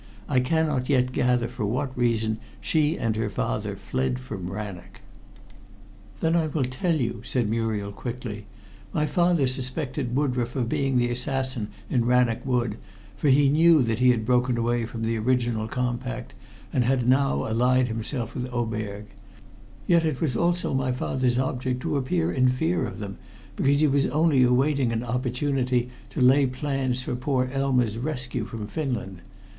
I cannot yet gather for what reason she and her father fled from Rannoch." "Then I will tell you," said Muriel quickly. "My father suspected Woodroffe of being the assassin in Rannoch Wood, for he knew that he had broken away from the original compact, and had now allied himself with Oberg. Yet it was also my father's object to appear in fear of them, because he was only awaiting an opportunity to lay plans for poor Elma's rescue from Finland.